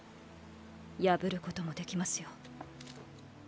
破ることもできますよ。